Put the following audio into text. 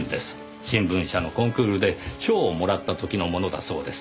新聞社のコンクールで賞をもらった時のものだそうです。